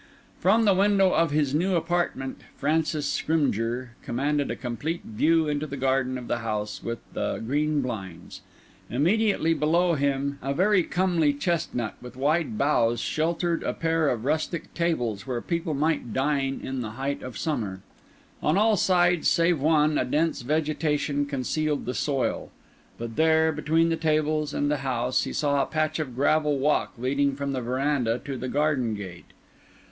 From the window of his new apartment Francis Scrymgeour commanded a complete view into the garden of the house with the green blinds. Immediately below him a very comely chestnut with wide boughs sheltered a pair of rustic tables where people might dine in the height of summer. On all sides save one a dense vegetation concealed the soil; but there, between the tables and the house, he saw a patch of gravel walk leading from the verandah to the garden gate.